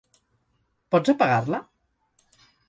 Pots apagar-la?